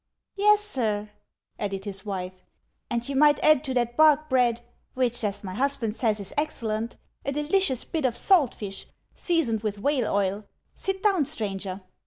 " Yes, sir," added his wife ;" and you might add to that bark bread — which, as my husband says, is excellent — a delicious bit of salt tish, seasoned with whale oil. Sit down, stranger."